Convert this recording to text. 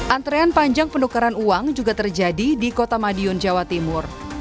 antrean panjang penukaran uang juga terjadi di kota madiun jawa timur